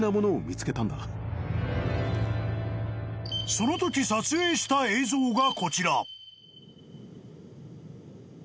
［そのとき撮影した映像がこちら］